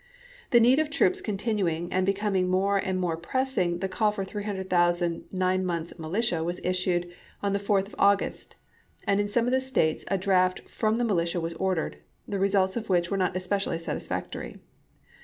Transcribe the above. The need of troops continuing and becoming more and more pressing, the call for 300,000 nine months militia was issued on the 4th of August, and in some of the States a draft from the militia was ordered, the results of which were not especially satisfactory.